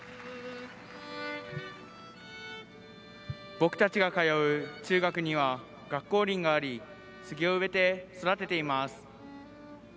僕たちが通う中学には学校林がありスギを植えて育てています。